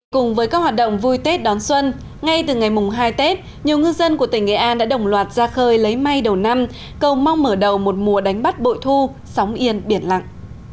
cùng với các hoạt động vui tết đón xuân ngay từ ngày mùng hai tết nhiều ngư dân của tỉnh nghệ an đã đồng loạt ra khơi lấy may đầu năm cầu mong mở đầu một mùa đánh bắt bội thu sóng yên biển lặng